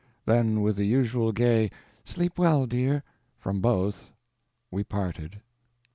Then with the usual gay "Sleep well, dear!" from both, we parted.